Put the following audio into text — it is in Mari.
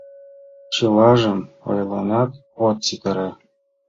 Чылажым ойленат от ситаре.